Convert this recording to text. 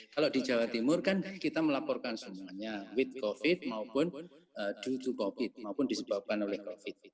kalau di jawa timur kan kita melaporkan semuanya with covid maupun to dua to covid maupun disebabkan oleh covid